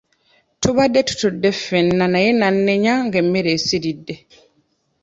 Tubadde tutudde ffenna naye n'annenya ng'emmere esiridde.